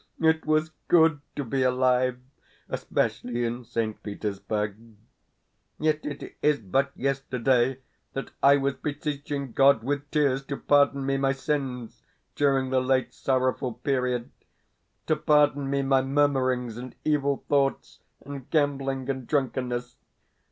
It was good to be alive, especially in St. Petersburg. Yet it is but yesterday that I was beseeching God with tears to pardon me my sins during the late sorrowful period to pardon me my murmurings and evil thoughts and gambling and drunkenness.